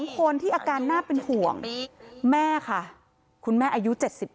คนที่อาการน่าเป็นห่วงแม่ค่ะคุณแม่อายุ๗๘